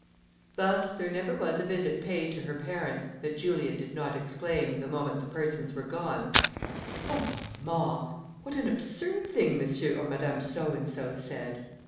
Thus, there never was a visit paid to her parents, that Julia did not exclaim, the moment the persons were gone, "Oh! mamma, what an absurd thing Monsieur or Madame So and so said!"